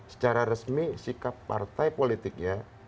secara resmi sikap partai politiknya